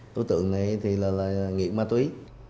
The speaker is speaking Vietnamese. đối tượng này là nghiện ma túy